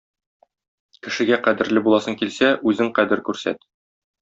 Кешегә кадерле буласың килсә, үзең кадер күрсәт.